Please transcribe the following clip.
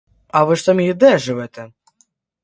А ви ж самі де живете?